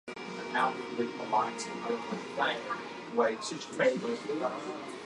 The financial projections section of the plan is also subject to specific standards.